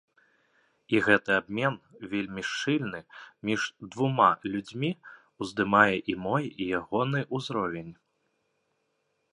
І гэты абмен, вельмі шчыльны, між двума людзьмі, уздымае і мой, і ягоны ўзровень.